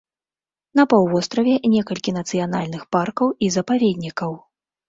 На паўвостраве некалькі нацыянальных паркаў і запаведнікаў.